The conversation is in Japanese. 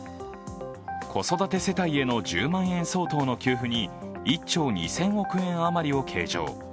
子育て世帯への１０万円相当の給付に１兆２０００億円余りを計上。